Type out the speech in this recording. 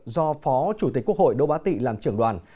do phó chủ tịch quốc hội đỗ bá tị làm trưởng đoàn